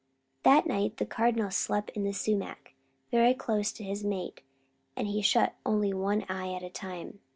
That night the Cardinal slept in the sumac, very close to his mate, and he shut only one eye at a time.